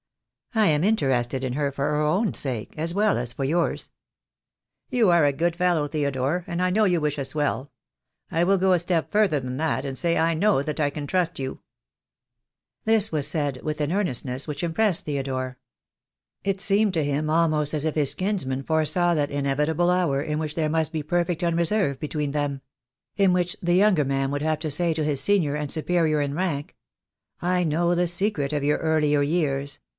I am interested in her for her own sake, as well as for yours." "You are a good fellow, Theodore, and I know you wish us well. 1 will go a step further than that and say I know that I can trust you." This was said with an earnestness which impressed Theodore. It seemed to him almost as if his kinsman foresaw that inevitable hour in which there must be per fect unreserve between them — in which the younger man would have to say to his senior and superior in rank, "I know the secret of your earlier years.